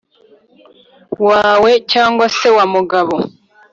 Wawe cyangwa se wa mugabo